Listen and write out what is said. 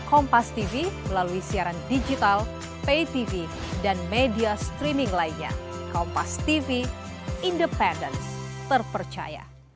kompas tv melalui siaran digital pay tv dan media streaming lainnya kompas tv independence terpercaya